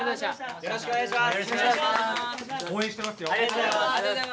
よろしくお願いします。